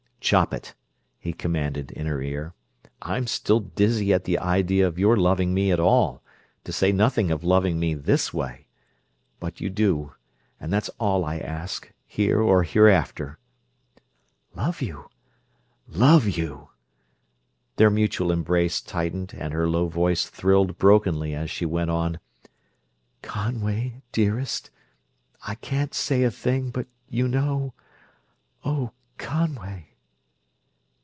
"Chop it!" he commanded in her ear. "I'm still dizzy at the idea of your loving me at all, to say nothing of loving me this way! But you do, and that's all I ask, here or hereafter!" "Love you? Love you!" Their mutual embrace tightened and her low voice thrilled brokenly as she went on: "Conway, dearest.... I can't say a thing, but you know.... Oh, Conway!"